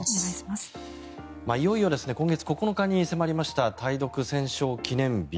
いよいよ今月９日に迫りました対独戦勝記念日。